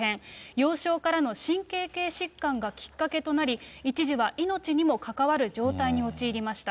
幼少からの神経系疾患がきっかけとなり、一時は命にも関わる状態に陥りました。